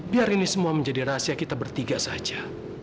biar ini semua menjadi rahasia kita bertiga saja